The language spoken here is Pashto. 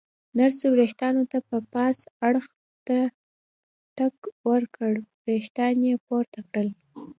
نرسې ورېښتانو ته پاس اړخ ته ټک ورکړ، ورېښتان یې پورته کړل.